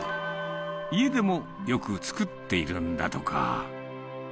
家でもよく作っているんだとか。